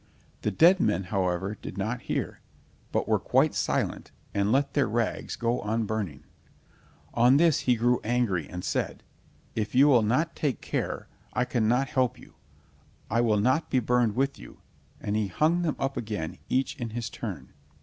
The dead men, however, did not hear, but were quite silent, and let their rags go on burning. On this he grew angry, and said: "If you will not take care, I cannot help you, I will not be burned with you, and he hung them up again each in his turn.